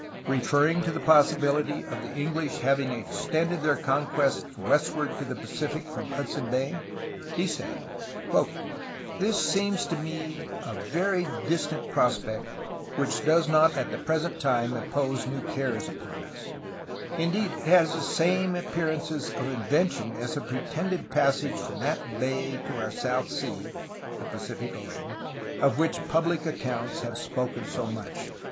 Referring to the possibility of the English having extended their conquests westward to the Pacific' from Hudson Bay, he said: "This seems to me a very distant prospect which does not at the present time impose new cares upon us; indeed it has the same appearances of invention as the pretended passage from that bay to our South Sea [Pacific Ocean], of which public accounts have spoken so much."